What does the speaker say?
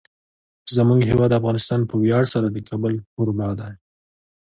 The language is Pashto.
زموږ هیواد افغانستان په ویاړ سره د کابل کوربه دی.